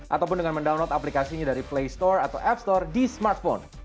ataupun dengan mendownload aplikasinya dari play store atau app store di smartphone